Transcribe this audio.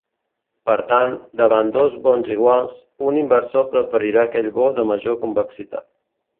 Per tant, davant dos bons iguals, un inversor preferirà aquell bo de major convexitat.